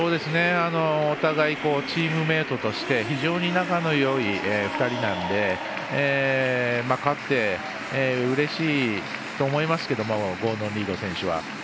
お互いチームメートとして非常に仲のよい２人なので勝ってうれしいと思いますけれどもゴードン・リード選手は。